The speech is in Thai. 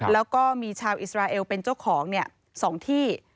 แล้วก็มีชาวอิสราเอลเป็นเจ้าของ๒ที่